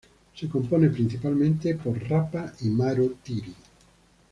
Se compone principalmente por Rapa y Maro-tiri.